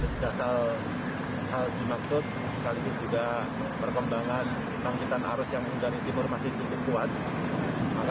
sama dengan perkembangan arus yang mulai terjadi di timur masin cikimkuan